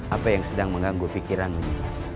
apa yang sedang mengganggu pikiranmu nih mas